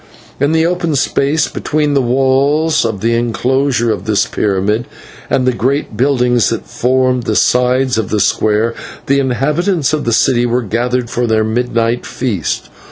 In the open space between the walls of the inclosure of this pyramid and the great buildings that formed the sides of the square, the inhabitants of the city were gathered for their midnight feast.